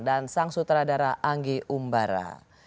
dan sang sutradara anggi umbara